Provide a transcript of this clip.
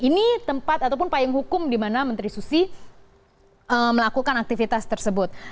ini tempat ataupun payung hukum di mana menteri susi melakukan aktivitas tersebut